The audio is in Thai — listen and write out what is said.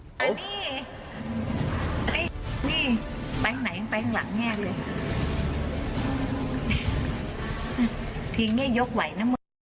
พี่เงี้ยยกไวนะเหมือน